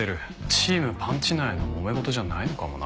チームパンチ内の揉め事じゃないのかもな。